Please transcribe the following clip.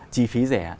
chi phí rẻ